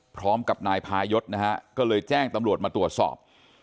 พร้อมกับนายพายศนะฮะก็เลยแจ้งตำรวจมาตรวจสอบ